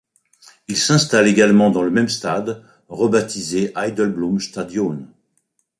Il s'installe également dans le même stade, rebaptisé Heidebloemstadion.